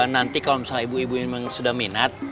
nanti kalau misalnya ibu ibu memang sudah minat